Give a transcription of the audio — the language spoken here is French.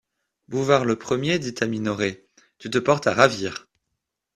Bouvard le premier dit à Minoret: — Tu te portes à ravir.